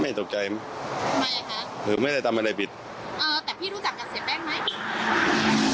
ตกใจไหมคะคือไม่ได้ทำอะไรผิดเออแต่พี่รู้จักกับเสียแป้งไหม